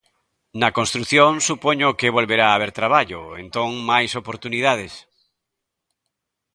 Na construción supoño que volverá haber traballo, entón máis oportunidades.